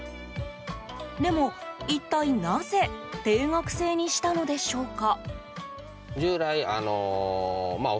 でも一体なぜ定額制にしたのでしょうか。